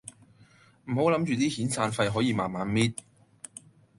唔好諗住啲遣散費可以慢慢搣